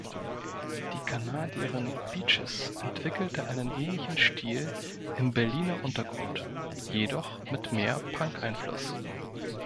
Die Kanadierin Peaches entwickelte einen ähnlichen Stil im Berliner Untergrund, jedoch mit mehr Punk-Einfluss.